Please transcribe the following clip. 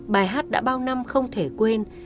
bài hát đã bao năm không thể quên